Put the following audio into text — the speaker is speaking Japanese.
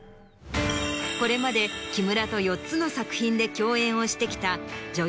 これまで木村と４つの作品で共演をしてきた。